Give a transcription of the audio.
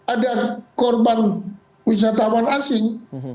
ada korban wisatawan asing